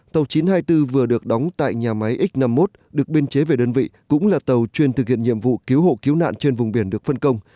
tàu chín trăm hai mươi bốn vừa được đóng tại nhà máy x năm mươi một được biên chế về đơn vị cũng là tàu chuyên thực hiện nhiệm vụ cứu hộ cứu nạn trên vùng biển được phân công